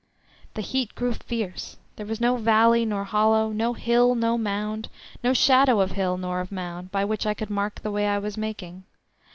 The heat grew fierce; there was no valley nor hollow, no hill, no mound, no shadow of hill nor of mound, by which I could mark the way I was making.